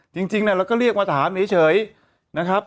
จริงเราก็เรียกมาถามเฉยนะครับ